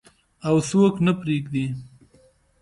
او څوک نه پریږدي.